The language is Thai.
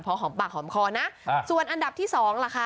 พอหอมปากหอมคอนะส่วนอันดับที่สองล่ะคะ